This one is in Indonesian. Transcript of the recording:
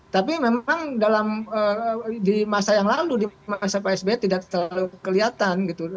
tapi memang dalam di masa yang lalu di masa pak sby tidak terlalu kelihatan gitu